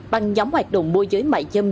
bằng nhóm hoạt động môi giới mại dâm